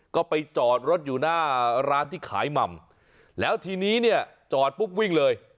ก็ไปจอดรถอยู่หน้าร้านที่ขายหม่ำแล้วทีนี้เนี่ยจอดปุ๊บวิ่งเลย